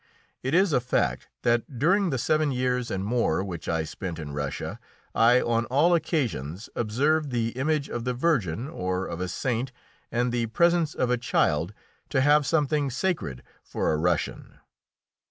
It is a fact that, during the seven years and more which I spent in Russia, I on all occasions observed the image of the Virgin, or of a saint, and the presence of a child, to have something sacred for a Russian.